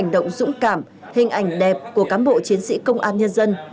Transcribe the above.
bộ chiến sĩ công an nhân dân